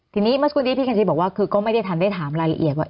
ทีนี้เมื่อก่อนดีพี่กัญชีบอกว่าคือก็ไม่ได้ถามรายละเอียดว่า